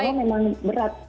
memang memang berat